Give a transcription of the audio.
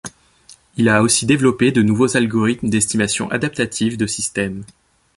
Il a aussi développé de nouveaux algorithmes d'estimation adaptatives de systèmes.